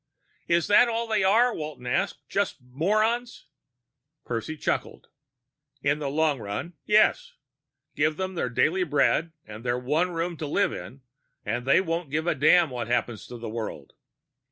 "Is that all they are?" Walton asked. "Just morons?" Percy chuckled. "In the long run, yes. Give them their daily bread and their one room to live in, and they won't give a damn what happens to the world.